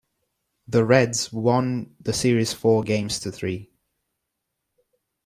The Reds won the series four games to three.